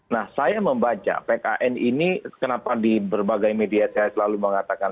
nah saya membaca pkn ini kenapa di berbagai media saya selalu mengatakan